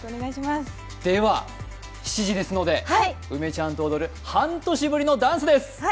では、７時ですので、梅ちゃんと踊る半年ぶりのダンスです。